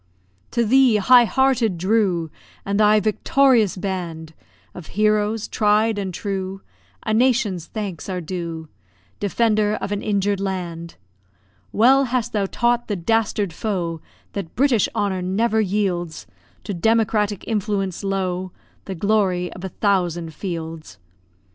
To thee, high hearted Drew! And thy victorious band Of heroes tried and true A nation's thanks are due. Defender of an injured land! Well hast thou taught the dastard foe That British honour never yields To democratic influence, low, The glory of a thousand fields.